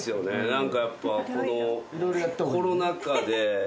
何かやっぱこのコロナ禍でやっぱり。